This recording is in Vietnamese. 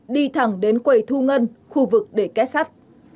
đi thẳng đến quầy thu ngân khu vực để kết sắt